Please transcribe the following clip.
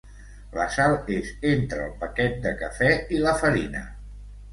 La sal és entre el paquet de cafè i la farina.